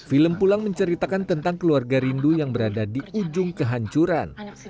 film pulang menceritakan tentang keluarga rindu yang berada di ujung kehancuran